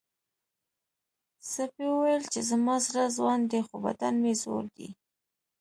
سپي وویل چې زما زړه ځوان دی خو بدن مې زوړ دی.